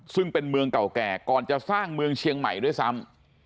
ซึ่งเป็นเมืองเก่าแก่ก่อนจะสร้างเมืองเชียงใหม่ด้วยซ้ำ